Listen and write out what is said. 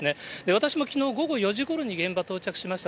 私もきのう午後４時ごろに現場到着しました。